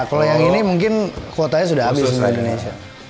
kalau yang ini mungkin kuotanya sudah habis di indonesia